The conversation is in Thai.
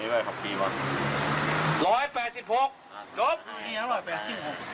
๑๘๖มิลลิกรัมเปอร์เซ็นต์